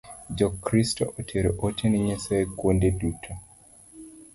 Jo Kristo otero ote Nyasaye kuonde duto